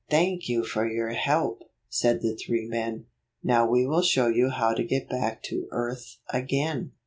"Thank you for your help," said the three men. " Now we will show you how to get back to earth again."